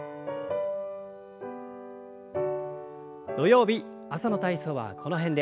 土曜日朝の体操はこの辺で。